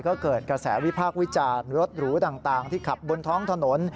ก็เกิดกระแสวิพากษ์วิจารณ์รถหรูต่างที่ขับบนท้องถนน